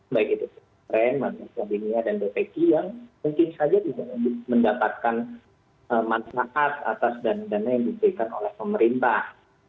baik itu pppk madras gajimina dan adpk yang mungkin saja juga mendapatkan manfaat atas dana dana yang diperlukan oleh pemerintah